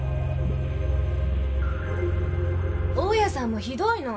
大家さんもひどいの。